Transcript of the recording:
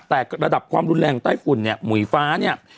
แต่ระดับความรุนแรงใต้ฝุ่นเนี่ยหมุยฟ้าเนี่ย